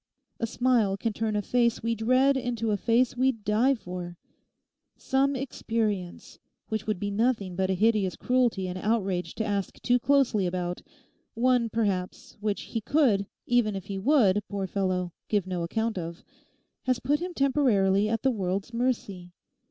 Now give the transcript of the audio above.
A smile can turn a face we dread into a face we'd die for. Some experience, which would be nothing but a hideous cruelty and outrage to ask too closely about—one, perhaps, which he could, even if he would, poor fellow, give no account of—has put him temporarily at the world's mercy.